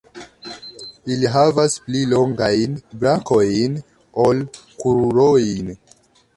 Ili havas pli longajn brakojn ol krurojn.